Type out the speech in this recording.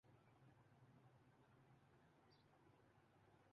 dance کا عالمی دن اور پاکستان کے ثقافتی رقص